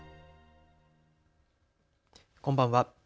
こんばんは。